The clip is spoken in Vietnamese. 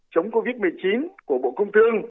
chống covid một mươi chín của bộ công thương